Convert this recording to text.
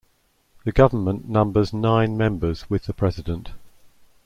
The Government numbers nine members with the president.